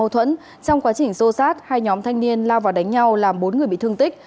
trong quá trình xô sát hai nhóm thanh niên lao vào đánh nhau làm bốn người bị thương tích